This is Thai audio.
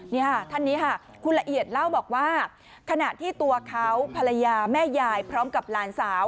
นี่ค่ะท่านนี้ค่ะคุณละเอียดเล่าบอกว่าขณะที่ตัวเขาภรรยาแม่ยายพร้อมกับหลานสาว